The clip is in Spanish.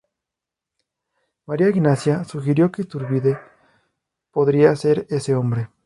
María Ignacia sugirió que Iturbide podría ser ese hombre.